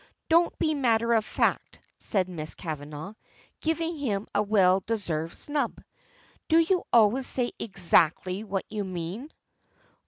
"Don't be matter of fact!" says Miss Kavanagh, giving him a well deserved snub. "Do you always say exactly what you mean?"